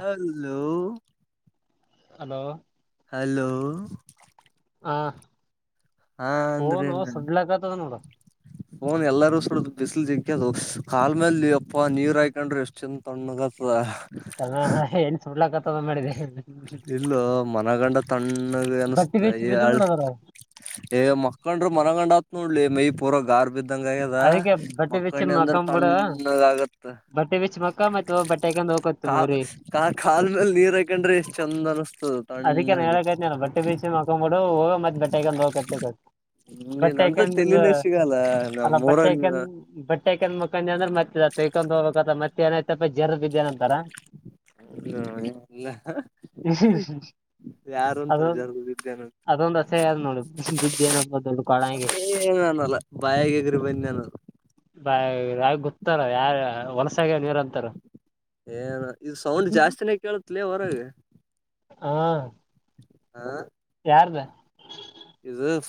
Hello hello hello ಹ ಹಾ phone ಸುಡ್ಲಕತದ ನೋಡ ನ್ ಎಲ್ಲಾರೂ ಸುಡ್ ಬಿಸಲು ಜಿಕ್ಕ್ಯದು ಕಾಲಲ್ ಮೇಲ್ ಅಪ್ಪ ನೀರ್ ಹಯಕೊಂಡ್ರೆ ಎಷ್ಟ್ ಚಂದ ತಣ್ಣಗತದ ತ ಏನ್ ಸುಡ್ಲಕ ತ ಮಾಡಿದೆ ಇಲ್ಲ ಮನಗಂಡ ತಣ್ಣಗೆ ಬಟ್ಟಿ ಬಿಚ್ಚಿ ಬಿದ್ದು ಅನಸ್ತಳ್ ಬಿಡದ್ರ ಮಕ್ಕಂಡ್ರ ಮನಗಂಡ್ ಆತ್ ನೋಡ್ಲಿ ಮೈ ಪೂರ ಗಾರ್ ಬಿದ್ದ ಇದಂಗ ಆಗ್ಯದ ಅದಕ್ಕೆ ಬಟ್ಟಿ ಬಿಚ್ಚಿ ಮಕ್ಕಣ್ಣ ಅಂದ್ರ ಮಕ್ಕಂಬ ಬಿಡ ತಂಡದ ಆಗತ್ ಬಟ್ಟೆ ಬಿಚ್ಚಿ ಮಕ್ಕ ಮತ್ ಬಟ್ಟೆ ಹಾಕೊಂಡ್ ಹೋಗಕತ್ ಕಾ ಊರಿ ಕಾ ಕಾಲ ಮೇಲೆ ನೀರ್ ಹಕೊಂಡ್ರಿ ಚಂದ ಅನಸ್ತದೆ ಅದಕ್ಕೆ ನಾ ತಣ್ಣಗೆ ಹೇಳಕೈತಿನಲ್ಲ ಬಟ್ಟೆ ಬಿಚ್ಚಿ ಮಕೊಂಬಿಡು ಹೋಗ ಮತ್ ಬಟ್ಟೆ ಹಾಕೊಂಡ್ ಹೋಗಕತ್ತ ನೀನ್ಂತ ತಲಿನ ಸಿಗಲ್ಲ ನ ಬಟ್ಟೆಕ ಬಟ್ಟೆಕನ್ ಮುಖಂದಿ ಅಂದ್ರೆ ಮತ್ತೆ ತಯ್ಕೊಂಡ ಹೋಗಬೇಕತ್ತ ಮತ್ತೆ ಏನಾಯ್ತಪ್ಪ ಜರ್ ಬಿದ್ದನ ಬರ ಅಲ್ಲ ಯಾರು ಒಂತಾರ ಜರುಗದಿದ್ದೇನೋ ಅದೊಂದ್ಸೆ ಅದು ನೋಡಿ ಬಿದ್ದ ಏನ ದೊಡ್ಡು ಕಳಗೆ ಏನ್ ಅನ್ನಲ್ಲ ಬಾಯಾಗ ಎಗ್ರಿ ಬಂದಿ ಅನ್ನಲ್ಲ ಬ ಯಾವ ಗೊತ್ತಾರ ಯಾರ ಹೊಲಸಾಗ ಏನು ಇದು ಸೌಂಡ್ ಜಾಸ್ತಿನೇ ಕೇಳತ್ಲ ಹೊರಗೆ ಹಾ ಹಾ ಯಾರದ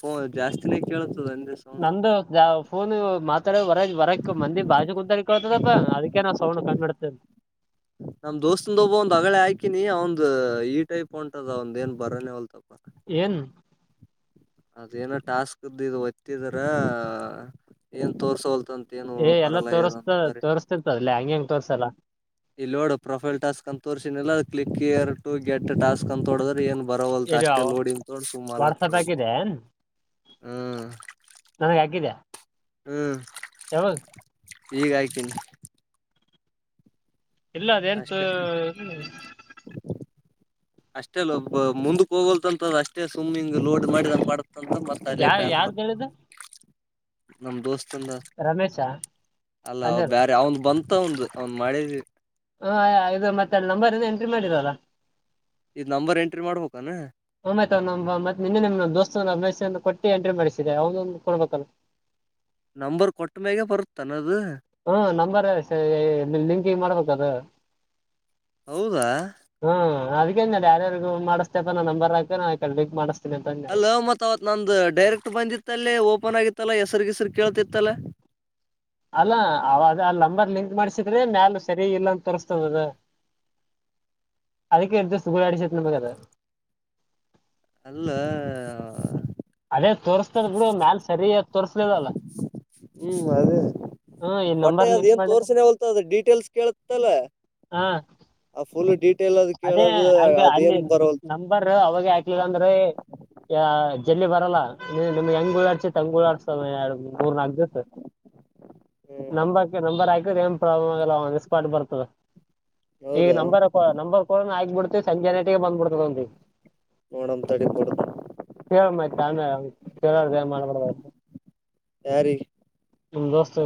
ಹಓ ಜಾಸ್ತಿನೇ ಕೇಳುತ್ತ ನಂದು ಯಾವ ಫೋನು ಮಾತ್ರ ರ ವರಕ್ ಮಂದಿ ಬಾಜ ಕುಂತಾರೆ ಕಳ್ತದಪ್ಪಾ ಅದಕ್ಕೆೇ ನಾವವು ಸೌಣ್ಣ ಕಂಡ್ತೇ ನಮ ದೋಸ್ತಂದ ಒಬ್ಬ ಒಂದ್ ಅಗಳೆ ಹಾಕಿನಿ ಅವಂದ ಈ ಟೈಪ್ಂದ ಒಂದ ನ್ ಬರೇ ಹೊಲ್ತಪ್ಪ ಏನ್ ಅದೇನೋ ಟಾಸ್ಕ್ಇ ಒತ್ತಿದರ ಏನ್ ತೋರ್ಸೋಲ್ ಏಎಲ್ಲಾ ತೋರ್ಸ್ತ ತೋರ್ಸ್ತಿತ್ತದಲ ಹಂಗ ಹೆಂಗ ತೋರ್ಸಲ್ಲ ಇಲ್ಲಿ ನೋಡು ಪ್ರೊಫೈಲ್ ಟಾಸ್ಕ್ ಅಂತ ತೋರ್ರಿಸನಿಲ್ಲ ಕ್ಲಿಕ್ ಕಿಯರ್ ಟ ಟ್ ಟಾಸ್ಕ್ ಅಂತ ತೋಂದ್ರೆ ಏನ್ ಬರೋವಲ್ತ ಇದು ಅಷ್ಟೇ ಲೋಡಿನ್ ತೊಂಡ ಸುಮಾಲ ತ ನನ್ಗೆ ಹಾಗಿದ್ಯಾ ಹ್ಮ್ ಈಗ ಆ್ತನಿ ಇಲ್ಲ ಅದ ಎಂತ ಅಷ್ಟೇ ಅಷ್ಟೇ ಅಲ್ಲಬ್ ಮುಂದಕ್ ಹೋಗೋಲ್ತಂತದ ಅಷ್ಟೇ ಸುಮ್ಮ್ ಲೋಡ್ ಮಾಡಿ ನ ಮಾಡಂತ ಮತ್ತ ಅಲ್ಲೇ ಯಾ ಬಕ್ ಬ ಯಾರ್ದು ಹೇಳಿದ್ದು ನಮ್ ದೋಸ್ತ್ ಂದ ರಮೇಶ ಅಲ್ಲ ಅಂದರು ಬ್ಯರೆ ಅವನ್ ಬಂತ ಅವನ್ ಅವ್ನ್ ಮಾಡಿದ ಹ ಇದು ಮತ್ತೆ ಅ ನಂಬರ್ ಇಂದ ಎಂಟ್ರಿ ಮಾಡಿರಲ್ಲ ಇ್ನಂಬರ್ ಎಂಟ್ರಿ ಮಾಡ್ಬೇಕಾನ ಆ್ತ ಅವ್ ಮತ್ ನಿನ್ನೆ ನಿಮ್ ದೋಸ್ತ ಅಭ್ಯಸ ಕೊಟ್ಟ ಎಂಟ್ರಿ ಮಾಡಿಸಿದೆ ಅವದೊಕೊಡ್ಬೇಕಲ್ಲ [inaudible] ನಂಬರ್ ಕೊಟ್ಟಗ ಬರುತ್ತನ್ನದು ಹ್ಮ ನಂಬರ್ ಲಿಂಕ್ ಮಾಡ್ಬೇಕದು ಹೌದಾ ಅದ್ನ್ ಯಾರ್ಯಾರ್ಗು ಮಾಡತಪ್ಪ ನಂಬರ್ ಆಗ್ತ ನಾ ಕಲ್ಕ್ ಮಾಡಿಸತ ಅಲ ಮತ್ ಅವತ್ ನಂದು ಡೈರೆಕ್ಟ್ ಬಂದಿತ್ತಲ್ಲೇ ಫೋನೆಗಿದ್ದನಲ್ಲಾ ಗೀಸರ್ ಕೇಳ್ತಿದ್ದನಲ್ಲ ಅಲ್ಲ ಅವಾಗ ಅ ನಂಬರ್ ಲಿಂಕ್ ಮಾಡ್ ಮ್ಯಾಲ ಸರಿ ಇಲ್ಲ ಅಂತ ತೋರಿಸಸ್ತದ ಅದ ಅದಕ್ಕೆ ಇರ್ ದ ಗ ಆಡಿಸತ್ನಗೆ ಅದ ಅಲ್ಲ ಅದೇ ತೋರಿಸತದ್ ಬಿಡು ಮ್ಯಾಲ ಸರಿ ತೋರ್ಸ್ಲದಲ್ಲ ಹ್ಮ್ ಅದೇ ಬಟ್ಟೆ ನಂಬರ್ ಅದ್ ಲಿಂಕ್ ಏನ್ ಮಾಡಿದ್ರ ತೋರ್ಸಿನ ಹೊಲ್ತ ಅದ ಡೀಟೇಲ್ಸ್ ಕೇಳತ್ತಲ್ಲ ಹಾ ಆ ಫುಲ್ ಡೀಟ್ ಅದೇ ಹ ಅಲ್ಲಿ ನಂಬರ್ ಅವಾಗ ಹಾಕ್ಲಿಲ್ಲಂದ್ರೆ ಎಲ್ಲಿ ಬರಲ್ಲ ನಿಮ್ಗೆ ಹೆಂಗ ತುಡ್ ಸಮಯ ಮೂರ್ ನಾಲ್ಕು ದಿವಸ ಹ್ಮ್ ನಂಬಕ ನಂಬರ್ ಏನ್ ಪ್ರಾಬ್ಲಮ್ ಆಗಲ್ಲ ಒ ಮಿಸ್ಪಾಟ್ ಬರ್ತದ ಈಗ ಹೌದಾ ನಂಬರ್ ಆಗಗ್ಬ ಬಿಡ್ತಿ ಸಂಜೆಟಿಗೆ ಬಂದಬ ಬಿಡ್ತದಿ ನೋಡಂತ ತಡಿ ಕೊಡ್ತ ಕ ಮಾಡ್ಬಡಬಾರು ಯಾರಿಗೆ ನಿಮ್ಮ ದೋಸ್ತ್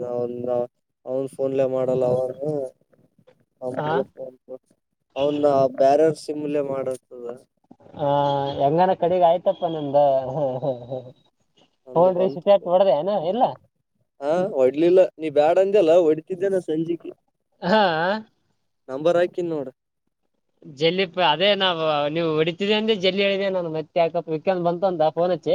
ನ್ ಅವನ್ ಫೋನ್ಲೆೇ ಮಾಡಲ್ಲ ಅವನು ಹಾ ಅವನ್ ಬ್ಯಾರರ್ ಸಿಮಲೆ ಮಾಡತದ ಹ ಹೆಂಗನ ಕಡೆಗ ಆಯ್ತಪ್ಪ ನಿಮ್ದ ಹ ಒಂದು ಬಂತು ಸ ಇಲ್ಲ ಹ ಒಡ್ಲಿಲ್ಲ ನೀ ಬ್ಯಾಡ ಅಂದ ಅಲ್ಲ ಒಡ್ ಇದ್ದನ ಸಂಜಿಕೆ ಹಾ ನಂಬರ್ ಹಾಕನ್ ನೋಡ ಜಲ್ಲಿ ಅದೇ ನಾವು ನೀವು ಹೊಡಿತಿದ ಅಂದೆ ಜಲ್ಲಿ ಹೇಳಿದೇ ನಾನು ಮತ್ತೆ ಯಾಕಪ್ಪ ಬಂತು ಅಂತ ಫೋನ್ ಹಚ್ಚಿ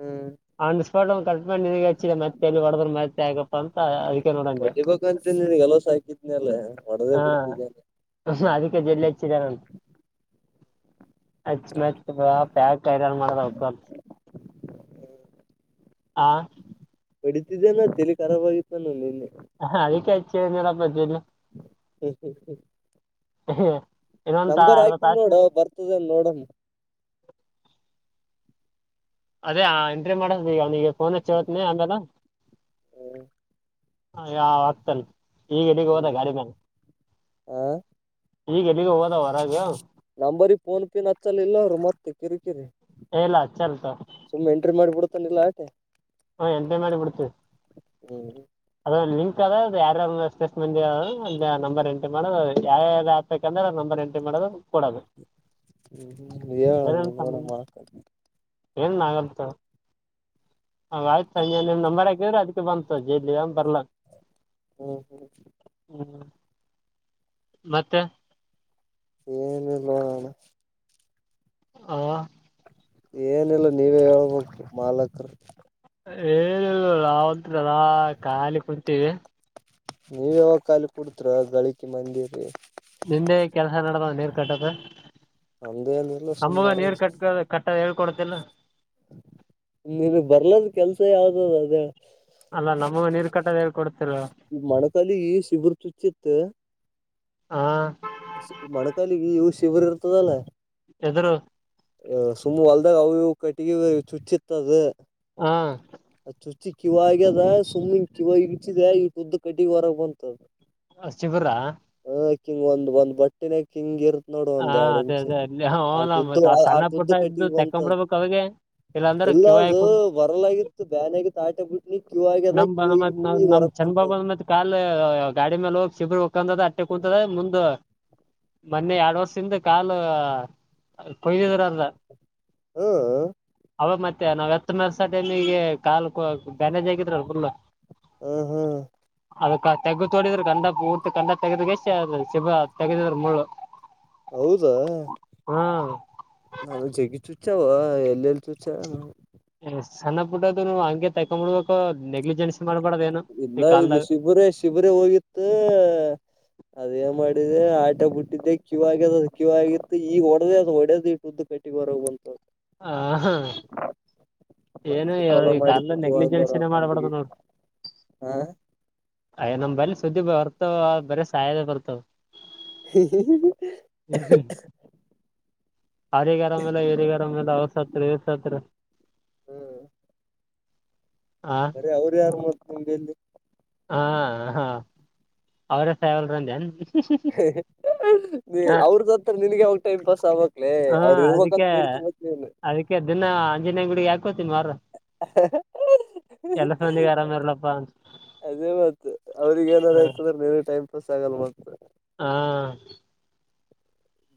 ಹ್ಮ್ ಆಪಟ್ ಗೆ ಹಚ್ಚಿದೆ ಮತ್ತೆಲ್ಲಿ ಒಡಬರ್ ಮತ್ತೆ ಆಗಪ್ಪ ಅಂತ ಅದಕ್ಕೆ ನೋಡಂೆ ಗೆಲ ಸಾಯಕಿನಲ್ಲ ಹಾ ಅದಕ್ಕೆ ಜಡ್ಲ್ಲ ಹೆಚ್ಚಿದಾರಟ ಅಚ್ ಮತ್ ಪ್ಯಾಕ್ಾರ ಮಾಡ ಹಾ ಪಡಿತಿದ್ದೇನ ತಲಿ ಖರಾಬ್ ಆಗಿತ್ತುಾನು ನಿನ್ನೆ ಹ ಅದಕ್ಕೆಾಯಚ್ಚೆ ಏನರ ಬದೇನೆ ಹ್ಮ್ ಹ್ಮ್ ಹ್ಮ ಹ್ಮ್ ನಂಬರ್ ಆಗ್ತನ ನೋಡ ಬರ್ತದ ಅ ನೋಡಮ್ಮ ಅದೇ ಎಂಟ್ರಿ ಮಾಡದ ಈಗ ಅವ್ನಿಗೆ ಫೋನ್ ಹಚ್ಚಿ ಹತ್ನಿ ಆಮೇಲೆ ಹ್ಮ ಯಾವ ಆಗ್ತಲ್ ಈಗ ಇಡಗ ಹೋದ ಹ್ಮ್ ಗಾಡಿ ಮೇಲೆ ಹ ನಂಬರಿ ಫೋನ್ ಪೇನ್ ಹಚ್ಚಲ್ಲ ಇಲ್ಲ ಅವರು ಮತ್ತೆ ಕಿರಿ ಕಿರಿ ಹೇಳಲ್ಲಾ ಚಲ್ತ ತಿಲ್ಲಾಟೆ ಹ ಎಂಟ್ರಿ ಮಾಡಿಬಿಡ್ತು ಹ್ಮ್ ಅದ ಯಾರ ಸ್ಟೇಸ್್ಮೆ ನಂಬರ್ ಎಂಟ್ರಿ ಮಾಡದು ಯಾವ ಆಬೇಕಂದ್ರೆ ನಂಬರ್ ಎಂಟ್ರಿ ಮಾಡದು ಕೊಡದು ಹ್ಮ್ ಹೇಳ ಅದೇನನ್ ನೀನೋಡ ಮಾತಾಡ ಏನನ್ಾಗತ್ ಹ ಆಯ್ತು ನೀನ್ ನಿಮ್ ನಂಬರ್ಾಕಿದ್ರೆ ಅದ್ ಬಂತು ಜಲ್ಲಿ ಬರ್ಲಾ ಹ್ಮ್ ಹ್ಮ್ ಹ್ಮ್ ಮತ್ತೆ ಏನಿಲ್ಲ ಅಣ್ಣ ಹಾ ಏನಿಲ್ಲ ನೀವೇ ಹೇಳ್ಬೇಕು ಮಾಲಕರು ಏನಿಲ್ಲ [unintelligible] ಖಾಲಿ ಕುಂತೀವಿ ನೀವ್ ಯಾವಾಗ ಖಾಲಿ ಕುಡ್ತರ ಗಳಿಕೆ ಮಂದಿರಿ ನೆನ್ನೆ ಕೆಲಸ ನಡ್ದ ನೀರ್ ಕಟ್ಟತ್ತ ನಮ್ದೇನಿಲ್ಲ ಸುಮ್ ನಮಗ ನಡದ ನೀರ್ ಕಟ್ಕ ಕಟ್ಟ ಹೇಳ್ಕೊಡತಿಲ್ಲ ನೀನ್ ಬರ್ಲದ ಕೆಲ್ಸ ಯಾವ್ದು ಅದೇ ಅಲ್ಲ ನಮಗ ನೀರ್ ಕಟ್ಟದ ಹೇಳ್ಕೊಡ್ತಿಲ್ಲ ಈ ಮೊಣಕಾಲ ಶಿಬುರು ಚುಚ್ಚಿತ್ತು ಹಾ ಮೊಣಕಾಲಿಗೆ ಇವು ಶಿವರ ಇರ್ತದಲ್ಲ ಎದುರು ಸುಮ್ಮ್ ಹೊಲ್ದಾಗ ಅವು ಕಟ್ಟಿಗೆ ಚುಚ್ಚಿತ್ತದ ಹಾ ಅ ಚುಚಿ ಕಿವ ಆಗ್ಯದ ಸುಮ್ಮಿನ್ ಕಿವ ಇತಿದೆ ಈ ಉದ್ದ ಕಟ್ಟಿಗೆ ಹೊರಗ ಬಂತದ ಹಾ ಶಿವರ [unintelligible] ಹಾ ಎರಡ್ ಅದೇ ಇಂಚ್ ಅದೇ ಆಟುದ್ದು ಆ ಸಣ್ಣ ಪುಟ್ಟ ಆಟುದ್ದು ಇದ್ದು ಕಟ್ಟಿಗಿ ತೆಕ್ಕೊಂಡ್ ಬಂತದ ಬಿಡ್ಬೇಕು ಅವಿಗೆ ಇಲ್ಲ ಅಂದಾರೆ ಅದು [unintelligible] [unintelligible] ಬರಲಾಗಿತ್ತು ಬ್ಯಾನ್ ಆಗಿತ್ತು ಆಟೆ ಬಿಟ್ನಿ ಕ್ಯೂ ಆಗ್ಯದ ಕ್ಯೂ ಆಗಿತ್ತೀನಿ ಈಗ ನಮ್ ಹೊರಕ್ ಚಂದ ಬಂತದ ಬಾಂದ ಮತ್ ಕಾಲ್ ಗಾಡಿ ಮೇಲೆ ಹೋಗ್ ಶಿಬರು ಉಕ್ಕಂದದ ಅಟ್ಟೆ ಕುತದ ಮುಂದ್ ಮೊನ್ನೆ ಎರಡು ವರ್ಷದಿಂದ ಕಾಲ್ [unintelligible] ಹಾ ಅವ ಮತ್ತೆ [unintelligible] ಬ್ಯಾನೇಜ್ ಆಗಿದ್ರಲ್ಲ ಹ ಹಾ [inaudible] ಅದಕ್ಕ [unintelligible] ಹೌದಾ ಹಾ ನಾನು ಜಗಿ ಚುಚ್ಚಾವ ಎಲ್ಲೆಲ್ಲಿ ಚುಚ್ಚ ಸಣ್ಣ ಪುಟ್ಟದುವು ಹಂಗೆ ತೆಕೊಂದ್ಬಿಡ್ಬೇಕು ನೆಗ್ಲಿಜೆನ್ಸ್ ಮಾಡ್ಬಾರ್ದ್ ಏನು ಇಲ್ಲ ಈ ಇದು ಕಾಲ್ದಾಗ ಶಿಬರೇ ಶಿಬರೇ ಹೋಗಿತ್ತು ಅದೇನ್ ಮಾಡಿದೆ ಬಿಟ್ಟಿದ್ದೆ ಕೀವು ಆಗ್ಯದ ಅದು ಕೀವು ಆಗಿತ್ತು ಈಗ ಹೊಡೆದೆ ಅದು ಹೊಡೆದ್ ಇಷ್ಟುದ್ದ ಕಟ್ಟಿಗೇ ಹೊರಗೆ ಬಂತ ಹಾ ಹಾ ಮ ಚಲೋ ಮಾಡತ್ತುಂದಾರ ನೆಗ್ಲಿಜೆನ್ಸಿನೇ ಬಂದಗೆ ಮಾಡ್ಬಾರ್ದು [inaudible] ಹಾ ಅಯ್ಯೋ ನಮ್ ಬಲ್ಲಿ ಸುದ್ದಿ ಬರ್ತವ ಬರೆ ಸಾಯೋದೆ ಬರ್ತವ [unintelligible] ಅವ್ರಿಗೆ ಅರಾಮಿಲ್ಲ ಇವ್ರಿಗೆ ಅರಾಮಿಲ್ಲ ಅವ್ರು ಸತ್ರು ಇವ್ರು ಸತ್ರು ಆ ಬರೇ ಅವ್ರು ಯಾರು [unintelligible] ಹಾ ಹಾ ಅವ್ರ [unintelligible] ಅವ್ರು ಸತ್ರೆ ನೀನು ಅವಾಗ ಟೈಮ್ ಪಾಸ್ ಆಗ್ಬಕ್ಲೇ ಹಾ ಅವ್ರ ಇರ್ಬಕ್ಂತ ಅದಕ್ಕೆ ಬೇಡ್ಕಿಬೇಕು ನೀನು [unintelligible] [unintelligible] ಎಲ್ಲ ಮಂದಿಗೆ ಆರಾಮ [unintelligible] ಇರಲಪ್ಪ ಅಂತ ಅದೇ ಮತ್ ಅವ್ರಗೇ ಏನಾರು ಆಯ್ತದ್ರೆ ನಿಂಗೆ ಟೈಮ್ [unintelligible] ಹಾ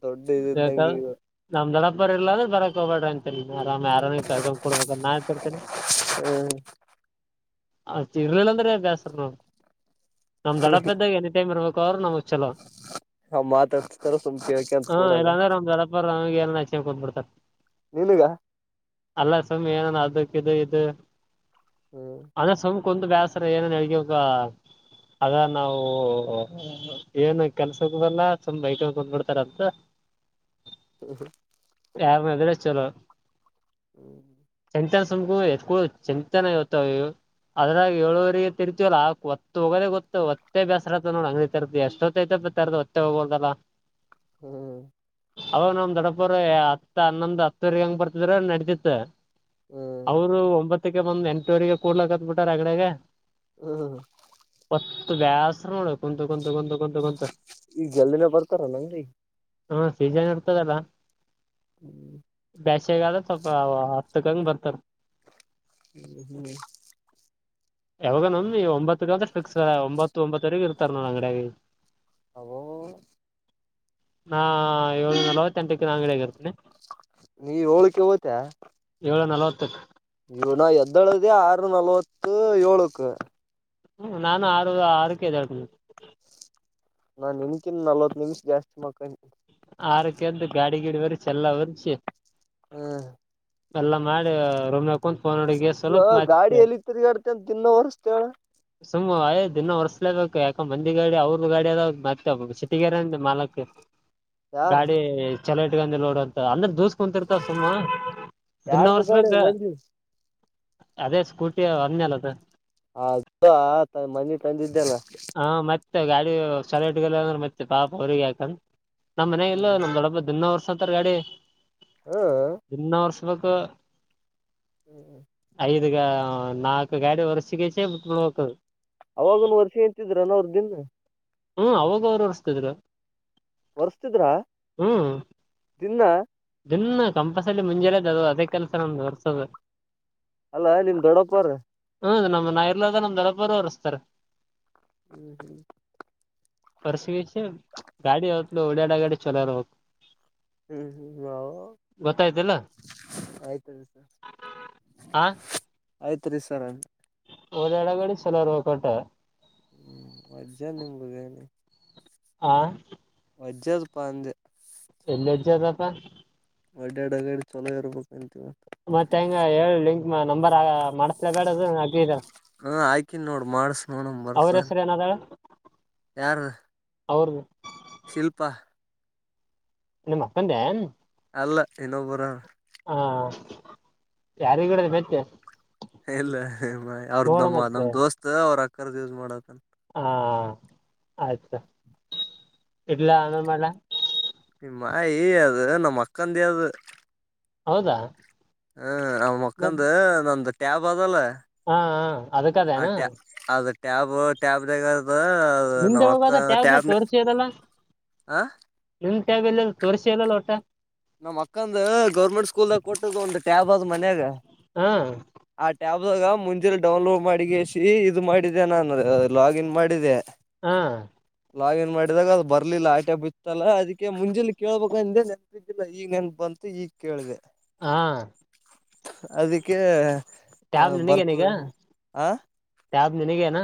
ದೊಡ್ಡ ಇದಿದ್ದಂಗ ಈಗ [unintelligible] ನಮ್ಮ ದೊಡ್ಡಪ್ಪವರು ಇಲ್ಲಾದ್ರೆ ಬರೋಕ್ಕೆ ಹೋಗ್ಬಿಡಿ ಆರಾಮ ಆರಾಮ ಕರ್ಕೊಂಡ್ ಕುಡುವ ನಾತಿ ಇರ್ತೇನೆ ಅವ್ರು ಇರ್ಲಿಲ್ಲ ಅಂದ್ರೆ ಬೇಸರ ನೋಡು ನಮ್ಮ್ ದೊಡ್ಡಪ್ಪ ಇದಾಗ ಎನಿ ಟೈಮ್ ಇರ್ಬೇಕು ಅವ್ರು ನಮ್ಮ್ ಅವ್ರು ಮಾತಾಡ್ತಿರ್ತಾರೆ ಸುಮ್ನೆ ಕೇಳ್ಕೊಂತಾ [unintelligible] ನಿನಗ ಅಲ್ಲ ಸುಮ್ಮಿ ಏನ ಅದಕ್ಕ ಇದು ಇದು ಹ್ಮ್ ಅ ಸುಮ್ಮ ಕುಂದು ಬೇಸರ ಏನನ್ ಅಗವಗ ಅದ ನಾವು ಏನು ಕೆಲ್ಸದಲ್ಲ ತುಂಬ ಐಟ ಬಂದ್ಬಿಡ್ತಾರಂತ ಹ್ಮ ಹಾ ಯಾರ [unintelligible] ಮದರ ಚಲೋ ಹ್ಮ್ ಚಿಂತನ್ ಸುಮ್ು ಎತ್ಕ ಚಿಂತನ ಇತ್ತಾವವು ಅದ್ರಾಗ ಹೇಳಳುವವರಿಗೆ ತಿರ್ತತಿವಲ್ಲ ಆಕ್ ಒ ಹೋಗದೇ ಗೊತ್ತು ಹೊತ್ತೇ ಬೇಸರಾತ ನೋಡ ಅಂಗಡಿ ತರ್ತತಿವಿ ಎಷ್ಟೊತ್ತೈ್ತ ತ ಹೊತ್ತೆ ಹೋಗಬೋದಲ್ಲಾ ಹ್ಮ್ ಅವಾಗ ನಮ್ ದೊಡಪ್ಪರ್ ಹತ್ತ ಹನ್ನೊಂದ್ ಹತ್ತವರೆಗ ಹಂಗ ಬರ್ತಿದ್ರ ನಡತಿತ್ ಹ್ಮ್ ಅವರು ಒಂಬತ್ತಕ್ಕೆ ಬಂದ್ ಎಂಟುವರಿಗೆ ಕೂಡ್ಲಕತ್ ಬಿಟಾರ ಅಗ್ಡೆಾಗ ಹ್ಮ್ ಹ್ಮ ಹ ಬ್ಯಾಸಸ್ ನೋಡ ಕುಂತ ಕುಂತಂತಂತ ಈಗ ಎಲ್ಲ್ಲಿಿನ ಬರ್ತಾರ ನಂಗಗೆ ಹಾ ಸೀಜನ್ ಇರ್ತದಲ್ಲ ಹ್ಮ್ ಬೇಷಗಾದ ಆದ್ರೆ ಸ್ವಲ್ಪ ಹತ್ತಕ್ಕಂಗ ಬರ್ತಾರ ಹ್ಮ್ ಹ್ಮ್ ಯಾವಾಗ ನಮ ಒಂಬತ್ತ ಅಂದ್ರೆ ಫಿಕ್ಸ್ ಒಂಬತ್ತು ಒಂಬತ್ತರೆಗ ಇರ್ತಾರೆ ನೋ ಅಂಗಡಾಗಿ ಅಬೋ ನಾ ಏಳ ನಲವತ್ತೆಂಟಕ್ಕೆ ನಾಡಿಯಗಿರ್ತೇನನೆ ನೀ ಹೋಳಕ್ಕೆ ಓತ [unintelligible] [unintelligible] ನಲವತ್ತ ಇವ ನ ಎದ್ದಳದ ಆರು ನಲ್ವತ್ತು ಏಳುಕ್ ಹ್ಮ ನಾನು ಆರು ಆರುಕ್ಕೆದ ಹೇಳ್ತನ ನಾನ್ ನಿನ್ಕಿಿಂದ ನಲ್ವತ್ತು ನಿಮಿಷ ಜಾಸ್ತಿ ಮಕಳ ಆರಕ್ಕೆ ಅಂತ ಗಾಡಿ ಗಿಡಿ ಬರ್ಸ ಎಲ್ಲ ವರ್ಸಿ ಹ್ಮ್ ಎಲ್ಲಾ ಮಾಡಿ ರೊಮ್ಯಾ ಕು [unintelligible] ಗೆ ಇಲ್ಲ ಸ್ವಲ್ಪ ಗಾಡಿ ಮಾತೆ ಎಲ್ಲಿ ತಿರ್ಗಾಡ್ತಿ ಅಂತ ತಿನ್ನ ವರ್ಸ್ತ ಹೇಳ ಅಯ್ ದಿನ ಹೊರ್ಸ್ಲೇಬೇಕು ಯಾಕ ಮಂದಿ ಗಾಡಿ ಅವ್ರದ ಗಾಡಿ ಅದಾವ ಮತ್ತೆ ಸಿಿಟಗರೆ ಮಾಲಕ್ ಯಾರ ಗಾಡಿ ಚಲಟ್ಗಂದ ನೋಡ್ ಅಂತ ಅಂದ್ರ ದೂಸ್ ಕುಂತಿರ್ತಾವ ಸುಮ್ಮ ದಿನ ಯಾರಪಿ ಗಡೆ ಒರ್ಸ್ಬೇಕ ಮಂಜು ಅದೇ ಸ್ಕೂಟಿ ಒಂದಲದು ಆದ್ದ್ ಆ ಮನೆಿ ತಂದಿದ್ದೆಲ್ಲ ಹ ಮತ್ತೆ ಗಾಡಿ ಚಲೋಟ್ಲ್ಲ ಅಂದ್ರೆ ಮತ್ತೆ ಪಾಪ ಅವ್ರಿಗೆ ಯಾಕಂದ ನಮ್ಮ ಮನ ಇಲ್ಲ ಹ್ಮ್ ನಮ್ಮ ದೊಡ್ಡಪ್ಪಬ ದಿನವರ್ ಂತರ್ ಗಾಡಿ ಹಾ ದಿನ ವರ್ಸ್ಬೇಕು ಹ್ಮ್್ಮ ಐದುಗ ನಾಕ ಗಾಡಿ ವರ್ಸೆಗಚಿಳ [unintelligible] ಒಕ್ಕರು ಅವಾಗನ್ ವರ್ಷೆ ಎಂತಿದ್ರನ ಅವ್ರ ದನ್ ಹ್ಮ ಅವಾಗ ಅವರು ಹೊರ್ಸ್ತದ್ರ ವರ್ಸ್ತಿದ್ರ ದಿನ ಇನ್ನು ಕಂಪಸಲ್ಲಿ ಮುಂಜಾನೆ ಅದು ಅದೇ ಕೆಲ್ಸ ನಮ ಹೊರ್ಸೋದು ಅಲ್ಲಾ ನಿಮ್ ಗಡಪ್ಪ್ರ ಹ್ಮದ್ ನಾವೆಲ್ಲಾರ್ದಾಗ ನಮ್ಮ ದೊಡ್ಡಪ್ಪ ಅವರು ಹೊರ್ಸ್ತಾರೆ ಹ್ಮ್ ಹ್ಮ್ ಪರ್ಸಿವಿಸಿ ಗಾಡಿ ಅವತಲು ಉಡಾಡ ಗಾಡಿ ಚಲರ ಹ ಹ್ಮ್ ಹ್ಮ್ ಗೊತ್ತಾಯ್ತಿಲ್ಲ ಆಯ್ತ್ರಿ ಹ ಆಯ್ತ್ ರೀ ಸರ್ [unintelligible] ಹ್ಮ್ ವಜ್ಜಾ ನಿಮಗ ಏನೆ ಹಾ ವಜದಪಾ ಅಂದೆ ಎಲ್ಲಿವಜ ಅದಪ್ಪಾ ಅಡ್ಡಡ್ಡಗಡಿ ಚೊಲೋ ಇರಬೇಕುಂತೀವ ಮತ್ತ ಹೆಂಗ ಹೇಳಿ ಲಿಂಕ್ ನಂಬರ್ ಆ ಮಾಡಸ್ಲೇ ಬೇಡ ಅದು ಅ ಇದಾರ ಹಾ ಆಕನ್ ನೋಡ್ ಮಾಡಸ ನೋಡಮ ಅವ್ರ ಬರ್ದನ್ ಹೆಸರು ಏನದಾಳ ಯಾರ ಅವರದ ಶಿಲ್ಪಾ ನಮ್ಮ ಅಪ್ಪಂದೆ ಅಲ್ಲ ಇನ್ನೊಬ್ಬರ ಯಾರಿಗ [unintelligible] ಇಲ್ಲಮ್ ಅವ್ರದ್ ನಮ್ಮ ನಮ್ ದೋಸ್ತ್ ಅವ್ರ ಅಕ್ಕರ್ದ ಯೂಸ್ ಮಾಡತ್ತನ್ ಹಾ ಆತ್ ಇಟ್ಲಾ ಆ ಮೇಲೆ ಮಾಡ್ಲಾ ಮಾಯ ಅದು ನಮ್ಮ ಅಕ್ಕಾಂದೇ ಅದ ಹೌದಾ ಹ್ಮ ನಮ್ಮ್ ಕ್ಕಂದ ನಮ್ದ ಟ್ಯಾಬ್ ಅದಲ್ಲ ಹಾ ಆ ಅದಕ್ಕದೇನ್ ಟ್ಯಾ ಅದ ಟ್ಯಾಬ್ ಟ್ಯಾಬ್ ದಾಗ ನಿಂದೆ ನಮ್ಮ್ ಅಕ್ಕ ಹೋಗದ ಟ್ಯಾಬ್ ತೋರ್ಸಿದಲ್ಲ ಹ ಟ ತೋರಿಸಿಲ್ಲ ಒಟ್ಟ ನಮ್ಮ್ ಅಕ್ಕಂದ ಗೌರ್ಮೆಂಟ್ ಸ್ಕೂಲ್ ದಾಗ ಕೊಟ್ಟದ ಒಂದು ಟ್ಯಾಬ್ ಮನೆಯಾಗ ಹಾ ಆ ಟ್ಯಾಬ್ ಗ ಮುಂಜೆಲ್ ಡೌನ್ಲೋಡ್ ಮಾಡಿಗೆಸಿ ಇದು ಮಾಡಿದೆ ನಾನು ಲಾಗಿನ್ ಮಾಡಿದೆ ಹಾ ಲಾಗಿನ್ ಮಾಡಿದಾಗ ಅದು ಬರ್ಲಿಲ್ಲ ಆಟೆ ಬಿತ್ತಲ್ಲ ಅದಕ್ಕೆ ಮುಂಜೆಲಿ ಕೇಳ್ಬೇಕ ಅಂದೇ ಲ್ಲ ಈಗ ನೆನಪು ಬಂತು ಈಗ ಕೇಳಿದೆ. ಹಾ ಅದಕ್ಕೆ ಟ್ಯಾಬ್ ನಿನಗೇನೀಗ ಬರ್ತದೆ ಆ ಟ್ಯಾಬ್ ನಿನಗನ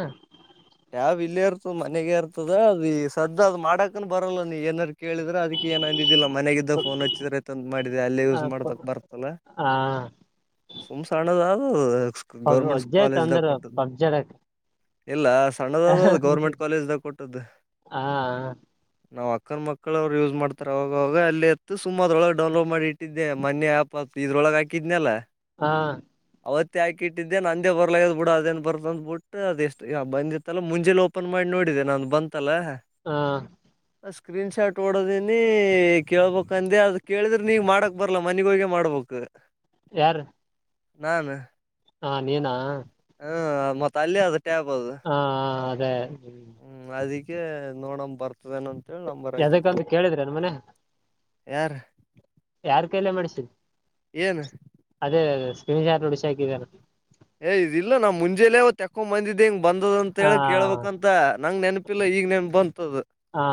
ಯ ಟ್ಯಾಬ್ ಇಲ್ಲೇ ಇರ್ತದ ಮನೆಗೆ ಇರ್ತದ ಅದು ಈ ಸದ್ದ ಅದ ಮಾಡಾಕನ್ ಬರಲ್ಲ ನೀ ಏನಾರ ಕೇಳಿದ್ರೆ ಅದಕ್ಕೆ ಏನ್ ಅಂದಿದ್ದಿಲ್ಲ ಮನೆಗಿದ್ದ ಫೋನ್ ಹಚ್ಚಿದ್ರೆ ತಂದ ಮಾಡಿದೆ ಅಲ್ಲೇ ಯೂಸ್ ಮಾಡದಕ್ ಬರ್ತಲ್ಲ ಹಾ ಸುಮ್ ಸಣ್ಣದ ಅದು ಗೌರ್ಮೆಂಟ್ ಅಜ್ಜೆ ಕಾಲೇಜ್ದಾಗ ತಂದ್ರ ಕೊಟ್ಟುದು. ಪಬ್ಜಡಕ್ ಇಲ್ಲ ಹಾ ಸಣ್ಣದಾದ ಗೌರ್ಮೆಂಟ್ ಕಾಲೇಜ್ದಾಗ ಕೊಟ್ಟದ್ದು ಹಾ ನಾವ ಅಕ್ಕ ಮಕ್ಕಳ ಅವ್ರು ಯೂಸ್ ಮಾಡ್ತಾರ ಅವಾಗವಾಗ ಅಲ್ಲಿ ಇತ್ತು ಸುಮ ಅದೊಳಗೆ ಡೌನ್ಲೋಡ್ ಮಾಡಿ ಇಟ್ಟಿದ್ದೆ ಮೋನೆ ಆಪ್ ಇದ್ರೊಳಗೆ ಲಗಾ ಕಿದ್ದನ್ನೆಲ್ಲ ಹಾ ಅವತ್ತ ಹಾಕಿಟ್ಟಿದ್ದೆ ನಂದೇ ಬರ್ಲ್ ಬಿಡ ಅದೇನ್ ಬರ್ತ ಅ ಬಿಟ್ಟು ಅದೆ ಎಷ್ಟ ಬಂದಿತ್ತಲ್ಲ ಮುಂಜೆಲಿ ಓಪನ್ ಮಾಡ್ ನೋಡಿದೆ ನ ಬಂತಲ್ಲ ಸ್ಕ್ರೀನ್ ಶಾಟ್ ಹೋಡದನಿ ಕೇಳ್ಬಬೇಕ್ಂದೆ ಅದು ಕೇಳಿದ್ರೆ ನೀಗ್ ಮಾಡಕ್ ಬರ್ಲ ಮನಿಗೆ ಹೋಗಿ ಮಾಡ್ಬೇಕ ಯಾರಿ ನಾನ ಹಾ ನೀನಾ ಮತ್ತ ಅಲ್ಲಿ ಅದ ಟ್ಯಾಪ್ ಅದು ಹಾ ಅದೇ ಹ್ಮ ಅದಕ್ಕೆ ನೋಡಂಬ ಬರ್ತ ಯದಕ್ಕಂತ ಕೇಳಿದ್ರೆನ್ ಮನ್ಯಾಗ ಯಾರ ಯಾರ್ ಕೈಲೆ ಮಾಡ್ಸಿ ಏನ್ ಅದೇ ಅದೇ [unintelligible] ಬಿಸಾಕಿದಲ. ಏ ಇದ್ ಇಲ್ಲಾ ನಾ ಮುಂಜೆಲ್ಲೇ ಅವತ್ ತೆಕೊಂಬಂದಿದೆ ಹಿಂಗ್ ಬಂದದ ಅಂತ ಹಾ ಹೇಳಕ್ ಕೇಳ್ಬಕು ಅಂತ ನಂಗ್ ನೆನ್. ಇಲ್ಲ ಇಗ್ ನಾನೂಪ್ ಬಂತದು. ಹಾ.